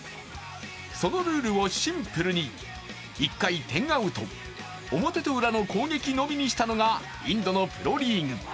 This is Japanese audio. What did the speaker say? そのルールをシンプルに１回１０アウト、表とウラの攻撃のみにしたのがインドのプロリーグ。